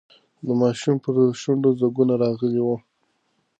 د ماشوم پر شونډو ځگونه راغلي وو.